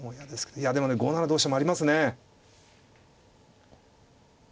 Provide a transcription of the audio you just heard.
いやでもね５七同飛車もありますね。